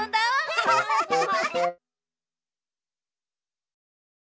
アハハハ！